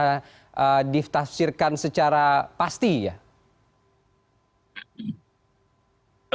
tapi ini juga masih bisa ditaksirkan secara pasti ya